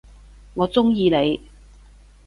我中意你！